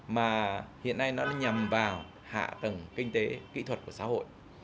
mà hiện nay nó nhằm vào hạ tầng kinh tế kỹ thuật của xã hội